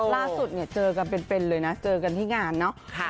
ล่าสุดเนี่ยเจอกันเป็นเลยนะเจอกันที่งานเนอะ